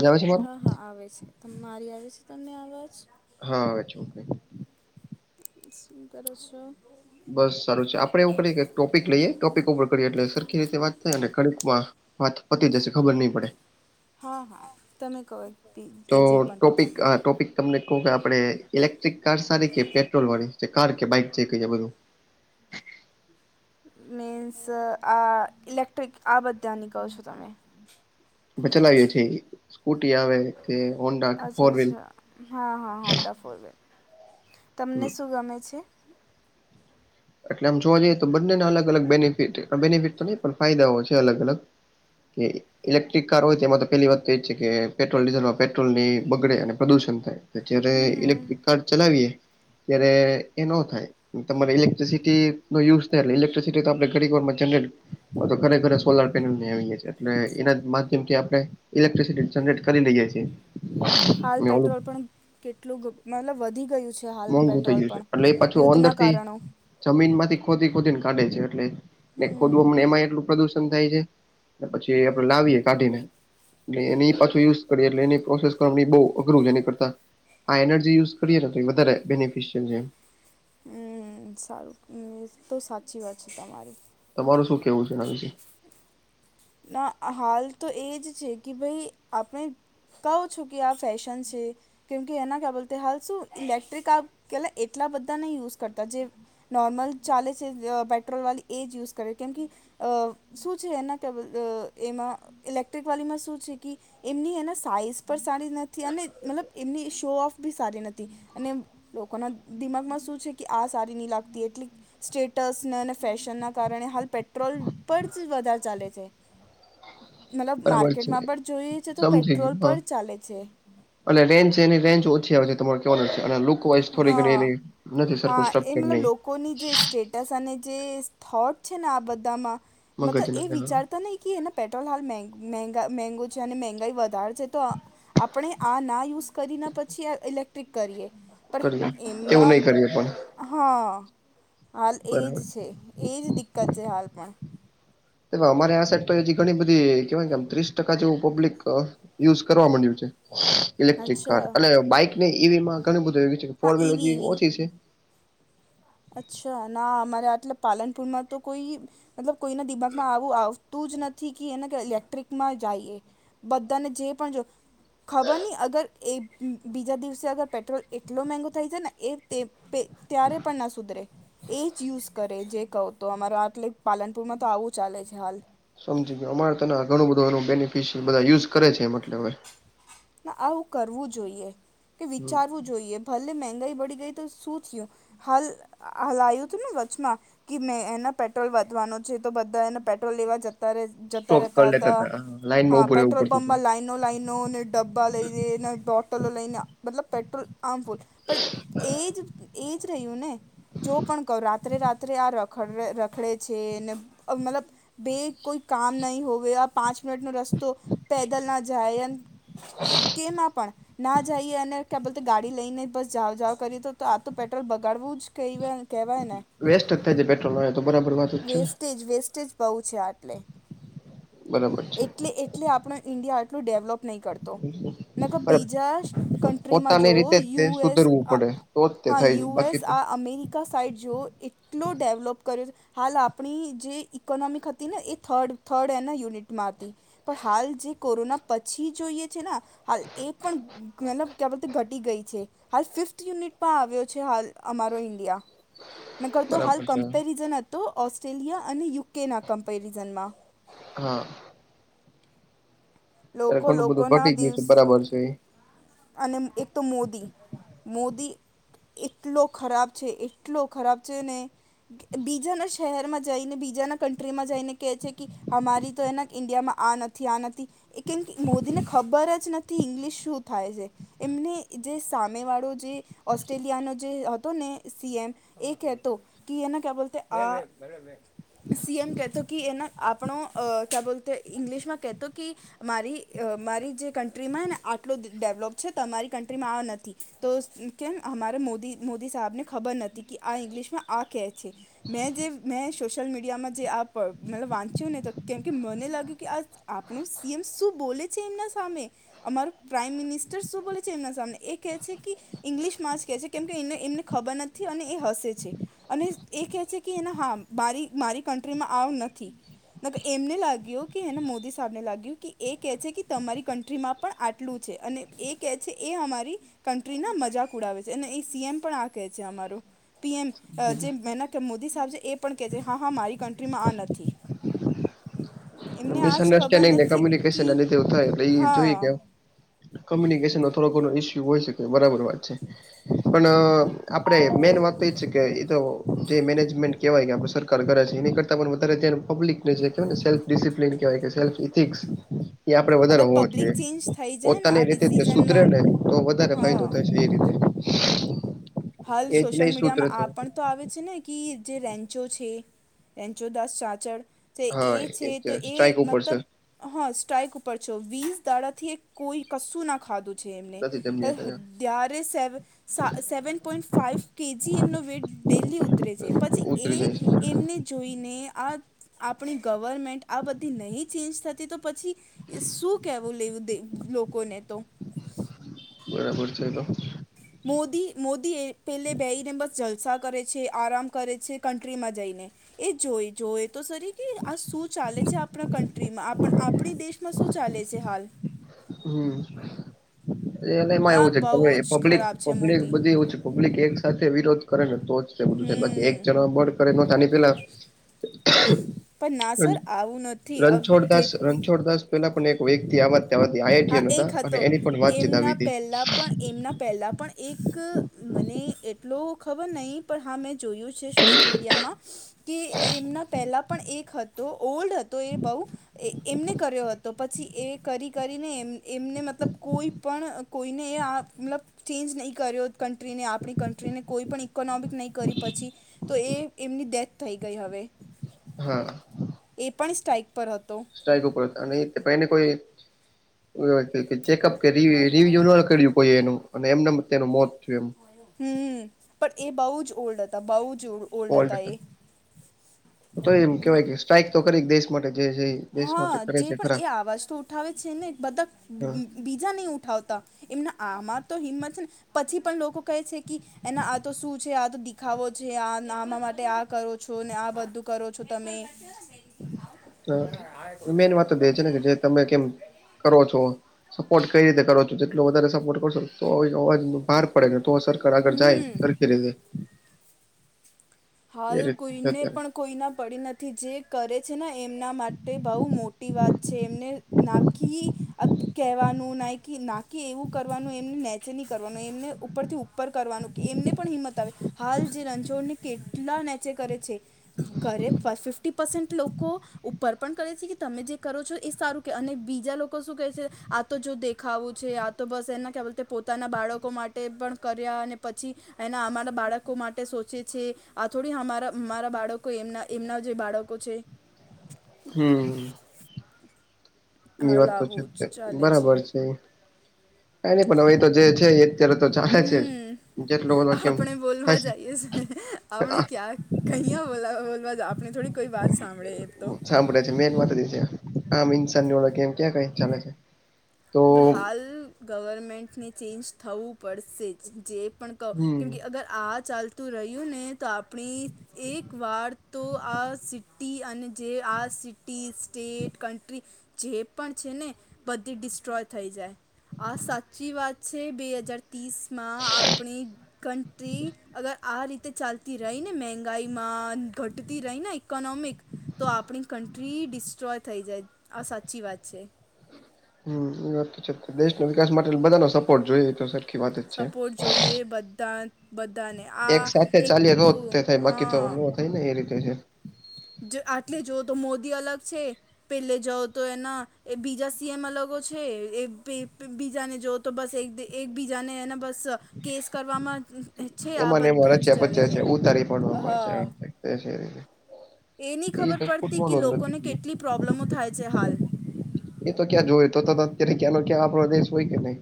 અવાજ આવે છે મારો હા હા આવે છે મારી આવે છે તમને અવાજ હા ચોક્કસ શું કરો છો. બસ સારું છે આપડે એવું કરીએ કે ટોપિક લઈએ ટોપિક ઉપર કરીએ એટલે સરખી રીતે વાત થાય ઘડીકમાં વાાત પતી જશે ખબર નહી પડે. હા હા તમે કહો. પી તો એ જે પણ ટોપિક ટૉપિક આ ટોપિક તમને કહું કે આપડે ઇલેક્ટ્રિક કાર સારી કે પેટ્રોલ વાળી કે કાર કે બાઈક જે છે કે બધું. મીન્સ આ ઇલેક્ટ્રિક આ બધાની કહો છો તમે. ચલાવીએ છેી સ્કૂટી આવે કે હોંડા કે અચ્છા ફોર વ્લ અચ્છા હા હા હોન્ડા તમને શું ગમે છે એટલે આમ જોવા જઈએ તો બંને અલગ અલગ બેનિફિટ બેનિફિટ તો નહીં પણ ફાયદાઓ છે અલગ અલગ કે ઇલેક્ટ્રિક કાર હોય તેમાં તો પહેલી વાત તો એ જ છે કે પેટ્રોલ ડીઝલમાં પેટ્રોલ ની બગડે અને પ્રદૂષણ થાય જય્યારે હમ ઇલેક્ટ્રિક કાર ચલાવીય ત્યારે એ ન થાય તમારે લે લેક્ટ્રસિટી ન યુઝ થયે લેક્ટ્રિસિટી આપણે ઘરોરમાં જનરેલી તો ઘરે ઘરે સોલાર પેનલ આવી ગ છે એટલે એના માધ્યમથી આપણે ઇલેક્ટ્રિસિટી જનરેટ કરી લઈ જાય છે હાલ પેટ્રોલ પણ કેટલું મતલબ વધી ગયું છે હાલ મોંઘું થઈ પેટ્રોલ ગયું છે પણ એટલે એ પાછું અંદર યુદ્ધના થી કારણો જમીન માંથી ખોદી ખોદી ને કાઢે છે એટલે ને હમ ખોદવા એમાં એટલું પ્રદુષણ થાય છે પછી આપડે લાવીએ કાઢીને એ એ પાછું યુઝ કરી એટલે એની પ્રોસેસ કરવા બ અઘરું છે એની કરતા આ એનર્જી યુઝ કરીએ ને તો વધ બેનિફિશયલ છે હ સારું તો સાચી વાત છે તમારી તમાર શું કેવું છે નાનજી ના હાલ તો એ જ છે કે ભાઈ આપણે કહો છું કે આ ફેશન છે કેમકે એના ક્યા બોલતે હાલ શું ઇલેક્ટ્રિક આ પલા એટલા બધા ન યુઝ કરતા જે નોર્મલ ચાલે છે પેટ્રોલવાળી એ જ યુઝ કરે કેમ કે શું છે એના ત એમાં ઇલેક્ટ્રિક વાળલીમાં શું છે કે એમની એના સાઈઝ પણ સારી નથી અને મતલબ એમની શો ઓફ બી સારી નથી અને લોકોના દિમાગમાં શું છે કે આ સારી નહી લાગતી એટલે સ્ટેટસને અને ફેશનના કારણે હાલ પેટ્રોલ પર જ વધારે ચાલે છે મતલબ બરાબર છે માર્કેટમાં પણ જોઈએ છે તો પેટ્રોલ પણ ચાલે છે એટલે રેન્ છે એની રેન્જ ઓછી આવે છે તમારે કેવાનું છે અને થોડી ઘ એ હા નથી સરું સ્ટચર ટસાને જે થોટ છે ને આ બધામાં મગજ મતલબ એ વિચારતા નહીં કે એના પેટ્રોલ હાલા મગું છે અને મંગાઈ વધારે છે તો આપણે આ ના યુઝ કરીને પછી ઇલેક્ટ્રિક કરીએ પણ કરીએ એવું એમના નહી કરીએ પણ હા હાલ એજ બરાબર છે એજ દિક્કત છે હાલ પણ અમારે આ સેટ્ટ હજી ઘણી બધી કેવાય કેમ ત્રીસ ટકા જેવું પબ્લિક. યુઝ કરવા માંડ્યું છે. ઇલેક્ટ્રિક કાર અચ્છા અને બાઈક ને ઈવીમાં ઘણું બધું છે કે હા ફોર ઈવી વ્હીલર ઈવી ઓછી છે. અચ્છા ના અમારે આટલે પાલનપુરમાં તો કોઈ. મતલબ કોઈના દિમાગમાં આવું આવતું જ નથી કે એને ઇલેક્ટ્રિકમાં જઈએ બધાને જે પણ જો ખબર નહીં અગર એ બીજા દિવસે અગર પેટ્રોલ એટલો મગો થાય છે ને એ તે પ ત્યારે પણ ના સુધરે એ જ યુઝ કરે જે કહું તો અમારા આટલે પાલનપુરમાં તો આવું ચાલે છે હાલ સમજી ગયો અમારે તને ઘણું બધું એ બેનિફિશિયલ બધા યુઝ કરે છે એ મટલે હવે આવું કરવું જોઈએ કે હમ વિચારવું જોઈએ ભલે મંગાઈ બડીી ગઈ તો શું થયું હાલ હલાયું હતું ને વચમાં કે મેં એના પેટ્રોલ વધવાનો છે તો બધા એને પેટ્રોલ લેવા જતા જતા સ્ટોક રહેતા કરી લેતા હતા લાઈનમાં હા ઉભું રહેવું પેટ્રોલ પડતું હતું પં્પમાં લાઈન એનો લઇનો નને ડબ્બા લઈને ના બાોટલ લઈને મતલબ પેટ્રોલ હાર્મફુલ પણ એજ એજ રહ્યું ને જો પણ કહ રાત્રે રાત્રે આ રખડ રખડે છે ને મતલબ બે કોઈ કામ નહી હોવે આ પાંચ મિનિટ નો રસ્તો પેદલ ના જાય. કેમાં પણ? ના જઈએ અને ક્યાં બોલતે ગાડી લઈને બસ જાઓ જાાવ કરીએ તો આ તો પેટ્રોલ બગાડવું જ કહીય. કેહેવાય નને. વેસ્ટ જ થાય પેટ્રોલ તો બરાબર વાત જ છે ને. Stage wastage. બહ છે આટ બરાબર છે એલે એટલે આપણ ઈન્ડિયા આટલું ડેવલોપ નહી કરતો. ને તો અરે બીજા કન્ટ્રીમાં પોતાની જોવઓ રીતે જ તે યુ એસ સુધરવું આ. પડે તો જ તે હા થાય બાકી યુએસ તો આ અમેરિકા સાઈડ જોઓ એટલો ડેવલોપ. કર્યું હાલ આપણી જે ઈકોનોમિક હતી ને એ થર્ડ થર્ડ એના યુનિટમાં હતી. પણ હાલ જે કોરોના પછી જોઈએ છે ને હાલ એ પણ. મતલબ ક્યાં બધતે ઘટી ગઈ છે હાલ ફિફ્થ યુનિટમાં આવ્યો છે હાલ અમારો ઇન્ડિયા. નકરતો હાલ બરાબર છે કમ્પેરિઝન હતો ઓસ્ટ્રેલિયા અને યુકેના કમ્પેરિઝનમાં. હા. ત્યારે લોકો ઘણું બધું લોકોના ઘટી ગયું છે દિવસ. બરાબર છે અને એક તો મોદી, મોદી એટલો ખરાબ છે, એટલો ખરાબ છે, ને બીજાના શહેરમાં જઈને બીજાના કન્ટ્રીમાં જઈને કહે છે કે અમારી તો એના ઈન્ડિયામાં આ નથી, આ નથી એ કેમ કે મોદીને ખબર જ નથી ઇંગ્લિશ શું થાય છે એમને જે સામેવાળો જે ઓસ્ટ્રેલિયાનો જે હતો ને સીએમ એ કેતો કે એના ક્યા બોલતે આ સીએમ કહેતો કે એના આપણો ક્યા બોલતા ઇંગ્લિશમાં કહેતો કે મારી, મારી જે કન્ટ્રીમાં ને આટલું ડેવલોપ છે તમારી કન્ટ્રીમાં આ નથી તો કેમ અમારે મોદી, મોદી સાહેબને ખબર નથી કે આ ઇંગ્લિશમાં આ કહે છે મેં જે મેં સોશિયલ મીડિયામાં જે આ મ વાંચ્યું ને તો કેમ કે મને લાગ્યું કે આ આપણું સીએમ શું બોલે છે એમના સામે અમારું પ્રાાઈમ મિનિસ્ટર શું બોલે છે એમના સામને એ કેહે છે કે ઇંગ્લિશ માં જ કે છે કેમ કેને એમને ખબર નથી અને એ હસે છે અને એ કહે છે કે એને હા મારી, મારી કન્ટ્રીમાં આવુ નથી ના એમને લાગ્યો કેને મોદી સાહેબ ને લાગ્યું કે એ કહે છે કે તમારી કન્ટ્રીમાં પણ આટલું છે અને એ કહે છે એ અમારી કન્ટ્રી ના મજાક ઉડાવે છે અને એ સીએમ પણ આ કહે છે અમારું પીએમ જે મહેનાહે મોદી સાહેબ છે એ પણ કહે છે હા, હામારી કન્ટ્રીમાં આ નથી એમને આજ ખબર મિસઅન્ડરસ્ટેન્ડિંગ નથી [unintelligible] કે થાય એટલે એ હા જોઈએ કે કોમ્યુનિકેશન નો થોડો ઘણો ઈસ્યુ હોય શકે બરાબર વાત છે પણ આપડે મેન વાત તો એ છે કે તો જે મેનેજમેન્ટ કહેવાય કે આપડે સરકાર કરે છે એની કરતા પણ વધારે ત્યાં પબ્લિકને જે કહેવાયને સેલ્ફ ડિસિપ્લિન સેલ્ફ ઈથીક્સએ આપડે વધારે અગર હોવો પબ્લિક જોઈએ ચેન્જ થઈ જાય ને પોતાની આ રીતે સુધરે ડિસિઝનમાં ને તો વધારે ફાયદો હા થાશે એ રીતે હાલ એજ સોશિયલ નહી સુધરે મીડિયામાં આ પણ તો આવે છે ને કે જે રેન્ચો છે, રેન્ચો દાસ ચાચડ જે એ હા છે તો એ સ્ટ્રાઈક ઉપર છે મતલબ હા સ્ટઇક ઉપર છો વીજ દાડાાથી એક કોઈ કશું ના ખાધું છે એમને નથી જમ્યા ત્યારે સેવ સા સેવન પોઈન્ટ ફાઇવ કેજી એમનો વેટ ડેલી ઉતરે છે પછી, કર્યા એ ઉતરી જાય છે એમને જોઈને આ આપણી ગવર્મેન્ટ આ બધી નહી ચેન્જ થતી તો પછી શું કેવું લેવું? લોકોને તો બરાબર છે, તો મોદી, મોદી એ પહેલે બેહીને બસ જલસા કરે છે, આરામ કરે છે કન્ટ્રીમાં જઈને એ જોઈ જોય તો સરરી કે આ શું ચાલે છે. આપણા કન્ટ્રીમાં આપ આપણી દેશમાં શું ચાલે છે હાલ હમ, એને એમાં આ એવું છે તમે બહુ જ પબ્લિક, ખરાબ છે પબ્લિક મોદી બધી એછી પબ્લિક એક સાથે વિરોધ કરે ને તો જ બધું થાય, બાકી એક હમ જણા બળ કરે નતાની પેલા પણ ના સર આવું નથી રણછોડ દાસ, જેટલું રણછોડ દાસ પેલા પણ એક વ્યક્તિ આ હા એક હતો [unintelligible] એની પણ વાત એમના પહેલા પણ એમના પહેલાં પણ એક મને એટલો ખબર નહીં પણ હા મેં જોયું છે સોશિયલ મીડિયામાં કે એમના પહેલા પણ એક હતો ઓલ્ડ હતો એ બહુ એ એમને કર્યો હતો, પછી એ કરી કરીને એમ. એમને મતલબ કોઈ પણ કોઈને એ મતલબ ચેન્જ નહીં કર્યો. કન્ટ્રીને આપણી કન્ટ્રીને કોઈ પણ ઈકોનોમિક નહી કરી. પછી તો એ એમની ડેથ થઈ ગઈ હવે હા. એ પણ સ્ટાઇક પર હતો. સ્ટ્રાઈક ઉપર હતા ને કોઈ કોઈ એટલે કે ચેકઅપ કર્યુ, રિવ્યુ ન કર્યુ કોઈ એનું અને એમને એમ એનું મોત થયું એમ. હમ. પણ એ બહુ જ ઓલ્ડ હતા બહુ જ ઓલ્ડ હતા એ. તો એમ કેવાય કે સ્ટ્રાઈક તો કરી દેશ માટે જે છે. દેશ હા, માટે કરે જે છે પણ ખરા એ અવાજ તો ઉઠાવે છે ને બધા હા બીજા નહી ઉઠાવતા. એમના આમાં તો હિંમત છે ને પછી પણ લોકો કહે છે કે એને આ તો શું છે? આ તો દેખાવો છે. આ આમાં માટે આ કરો છો ને આ બધું કરો છો તમે? હ, મેન વાત જે તમે કેમ કરો છો? સપોર્ટ કઈ રીતે કરો છો? જેટલો વધારે સપોર્ટ કરશો. તો અવાજ ન ભાર પડે ને તો સરકાર આગળ જાય હમ સરખી રીતેે. એ હાલ રીતે છે કોઈને અત્યારે પણ કોઈના પડી નથી. જે કરે છે ને એમના માટે બહુ મોટી વાત છે. એમને નાકી કેવાનું ના નાકી એવું કરવાનું એમને નેચેની કરવાનું એમને ઉપરથી ઉપર કરવાનું, એમને પણ હિંમત આવે. હાલ જે રણઝોડને કેટલા નેચે કરે છે. ઘરે ફિફ્ટી પરસેન્ટ લોકો. ઉપર પણ કરે છે કે તમે જે કરો છો એ સારું કે અને બીજા લોકો શું કેહે છે. તો જો દેખાવું છે આ તો બસ એના કહે બલતે પોતાના બાળકો માટે પણ કર્યા અને પછી. એના અમારા બાળકો માટે સોચે છે. આ થોડી અમારા, અમારા બાળકો એમના એમના જે બાળકો છે? હમ. ની હા વાત તો છે લાવવું જ ચાલે બરાબર છે. કઈ નઈ પણ અવે તો જે છે. અત્યારે તો ચાલે છે જેટલો બધો હમ કેમ આપણે બોલવા થાય છે. જઈએ છે આપણે ક્યાં કહીયા બો બોલવા આપણે થોડી કોઈ વાત સાંભળે એ તો સાંભળે છે. મેન વાત છે, આમ ઇન્સાનની ઓળખ એમ ક્યાં કઈ ચાલે છે. તો હાલ, ગવર્મેન્ટને ચેન્જ થવું પડશે જ. જે પણ કહો કેમ હમ કે અગર આ ચાલતું રહ્યું ને તો આપણી એક વાર તો આ સિટી અને જે આ સિટી સ્ટેટ કન્ટ્રી જે પણ છે ને બધી ડિ ડ્રો થઈ જાય. આ સાચી વાત છે. બે હજાર પીસમાં આપણી કન્ટન્ટ્રી અગર આ રીતે તો આપણી કન્ટ્રી ડિસ્ટ્રોય થઈ જાય આ સાચી વાત છે. હમ એ વાત તો છે દેશનો વિકાસ માટે બધાનો સપોર્ટ જોઈએ તો સર. સપોર્ટ જોઈએ બધા બધાને. એક આ સાથે એક ચા તો રોજ તે થાય બાકી તો ન હા થાય ને એ રીતે છે. આટલે જો તો મોદી અલગ છે. પેલે જઓ તો એના એ બીજા સીએમ અલગો છે એ બીજાને જો. તો બસ એક એકબીજાને એને બસ કેસ કરવામાં. છે આ એમાં એમાં બધું જ રચ્યા ચાલે પચ્યા છે ઉતારી પડવા હા રી. એ નહી ખબર પડતી કે લોકોને કેટલી પ્રોબ્લેમો થાય છે હાલ. એ તો ક્યાં જોય તો અત્યારે ક્યાંનો ક્યાં આપડો દેશ હોય કે નહી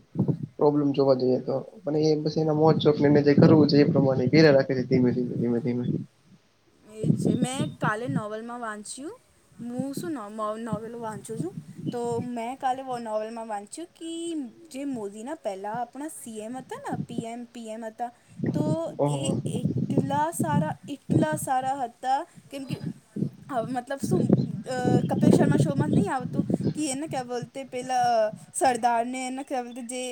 પ્રોબ્લેમ જોવા જઈએ તો. પણ એ બસ એના મોત ચોક ને એને જે કરવું છે એ પ્રમાણે ઘેરે રાખે છે ધીમે ધીમે ધીમે ધીમે. એ છે મેં કાલે નોવેલમાં વાંચ્યું હું શું ન નોવેલો વાંચું છું. તો મેં કાલે નોવલમાં વાંચ્યું કે જે મોદીના પહેલા આપણા સીએમ હતા ને. પીએમ પીએમ હતા તો ઓહો એ એઇટલા સારાઇટ. એટલા સારા હતા કેમ કે મતલબું. અ કપિલ શર્મા શો માં નહીં આવતું. કે એને ક્યાવા બોલતે પેલા સરદાર ને એને ક બોલ જે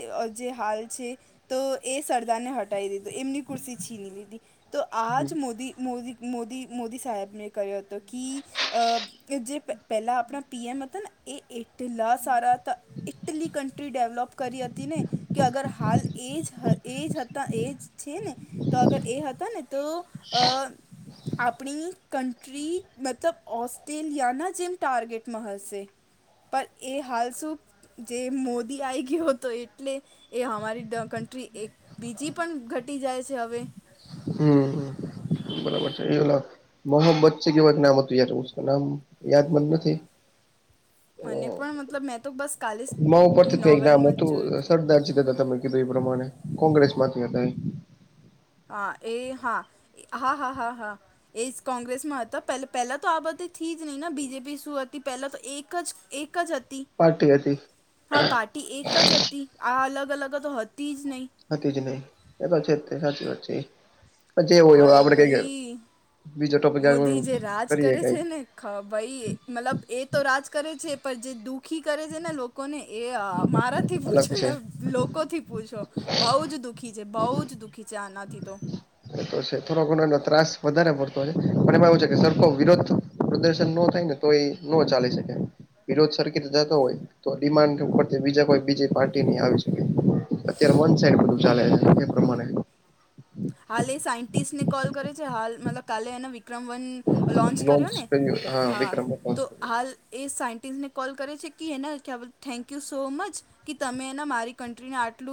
જે હાલ છે. તો એ સરદારને હટાવી દીધું એમની કુર્સી છીની લીધી તો આજ મોદી. મોદી મોદી મોદી સાહેબને કર્યો હતો કે. કે જે પ પહેલા આપણા પીએમ હતા હતા ને એ એરટેલ આ સારા ત. ઇટલી કન્ટ્રી ડેવલોપ કરી હતી ને. કે અગર હાલ એજ એજ હતા એજ છે ને. તો અગર એ હતા ને તો અ. આપણી કન્ટ્રી મતલબ ઓસ્ટ્રેલિયાના જેમ ટાર્ગેટમાં હશે. પણ એ હાલ શું જે મોદી આવી ગયો હતો એટલે. એ અમારી કન્ટ્રી એક બીજી પણ ઘટી જાય છે હવે. હમ્મ [unintelligible] મોહમ્ બદચ કેવા નામ હત યા નામ યાદ મન નથી. મને પણ મતલબ મેં તો બસ કાલે મા ઉપરથી ત નામ નોવેલમાં હતું જ જોયું સરદાર. હતા તમે કીધું એ પ્રમાણે કોંગ્રેસ માંથી હતા એ. હા એ હા હા હા હા હા. એ કોંગ્રેસમાં હતા પ પહેલા તો આ બધીથી જ નહી ને બીજેપી શું હતી પહેલા તો એકજ. એકજ હતી પાર્ટી હતી હા પાાર્ટી એકજ હતી. આ અલગ અલગ તો હતીજ નહી. હતી જ નહી એ તો સાચી વાત છે. પચે એવો હવે હાલ આપડે કઈ એ ભાઈ બીજો ટોપિક આયવો મોદી જે રાજ કરીએ કરે છે કાઈ. ને ભાઈ મતલબ એ તો રાજ કરે છે પણ જે દુઃખી કરે છે ને લોકો. કોને એ મારાથી અલગ પૂછું છે એ. લોકોથી પૂછો બહુજ દુખી છે બહુજ દુઃખી છે આનાથી તો. તો છે થોડો ઘણો એ ત્રાસ વધારે પડતો હોય છે પણ એમાં એવું છે કે સરખો વિરોધ. પ્રદર્શન ન થાય ને તો એ ન ચાલી શકે. વિરોધ સરર્કિટ જતો હોય તો ડિમાન્ડ ઉપર બીજા કોઈ બીજી પાર્ટી ની આવી શકે અત્યારે વન સાઈડ બધું ચાલે છે એ પ્રમાણે. હાલ એ સાયન્ટિસ્ટ ને કોલ કરે છે હાલ મતલબ કાલે એના વિક્રમ વન. લ લોન્ચ કર્યો ને કર્યું હા વિક્રમ લોન્ચ તો. કર્યું હાલ એ સાયન્ટિસ્ટને કોલ કરે છે કે હને ખ્યા થેન્કયુ સો મચ. કી તમે હેના મારી કંન્ટ્રીને આટલું